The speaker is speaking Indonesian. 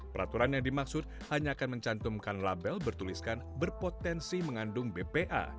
peraturan yang dimaksud hanya akan mencantumkan label bertuliskan berpotensi mengandung bpa